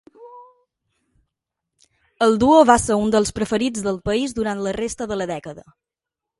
El duo va ser un dels preferits del país durant la resta de la dècada.